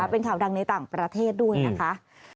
เป็นข่าวดังในต่างประเทศด้วยนะคะ